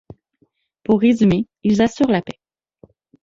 Pour résumer, ils assurent la paix.